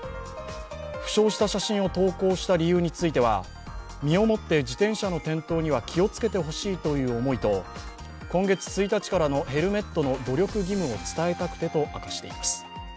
負傷した写真を投稿した理由については身をもって自転車の転倒には気をつけてほしいという思いと今月１日からのヘルメットの努力義務を伝えたくてとしています。